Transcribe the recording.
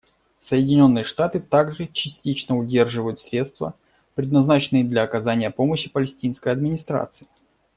Соединенные Штаты также частично удерживают средства, предназначенные для оказания помощи Палестинской администрации.